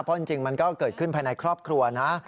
เพราะจริงมันก็เกิดขึ้นภายในครอบครัวนะ